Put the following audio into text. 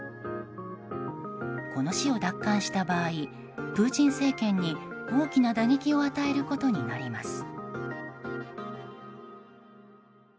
この市を奪還した場合プーチン政権に大きな打撃を与えることになります。